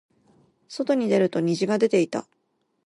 外に出ると虹が出ていた。